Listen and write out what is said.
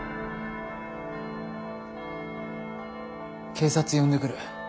警察呼んでくる。